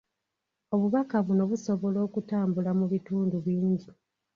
Obubaka buno busobola okutambula mu bitundu bingi.